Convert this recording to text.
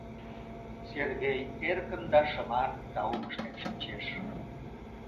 Сергей эркын да шыман таум ыштен шинчеш.